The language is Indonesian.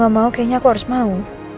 mau gak mau kayaknya aku harus mau